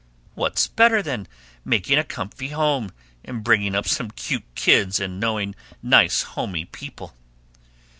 "What's better than making a comfy home and bringing up some cute kids and knowing nice homey people?"